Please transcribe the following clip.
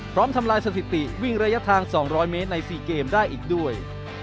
ทำลายสถิติวิ่งระยะทาง๒๐๐เมตรใน๔เกมได้อีกด้วย